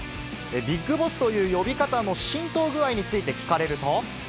ビッグボスという呼び方の浸透具合について聞かれると。